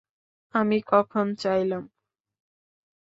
আমি কখন চাইলাম?